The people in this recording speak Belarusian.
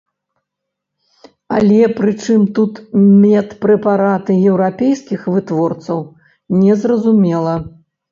Але прычым тут медпрэпараты еўрапейскіх вытворцаў, незразумела.